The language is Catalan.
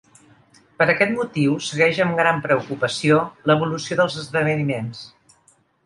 Per aquest motiu, segueix “amb gran preocupació” l’evolució dels esdeveniments.